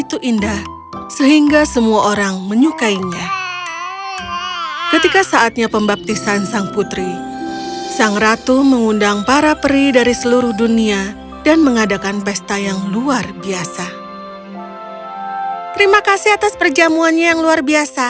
terima kasih atas perjamuannya yang luar biasa